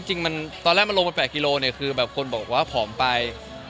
คนทักเยอะครับจริงตอนแรกมันลงไปแปลกกิโลเนี่ยคือแบบคนบอกว่าผอมไป